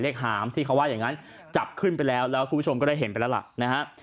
หามที่เขาว่าอย่างนั้นจับขึ้นไปแล้วแล้วคุณผู้ชมก็ได้เห็นไปแล้วล่ะนะฮะ